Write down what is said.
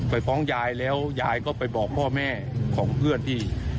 ไปฟ้องยายแล้วยายก็ไปบอกพ่อแม่ของเพื่อนที่